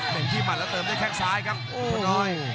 เห็นที่มันแล้วเติมได้แค่งซ้ายครับโอ้โห